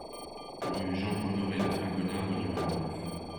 Rue Jean-Honoré de Fragonard au numéro neuf